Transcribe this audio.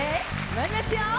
まいりますよ。